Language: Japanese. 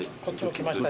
来ました